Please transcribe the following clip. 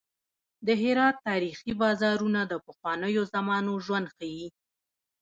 د هرات تاریخي بازارونه د پخوانیو زمانو ژوند ښيي.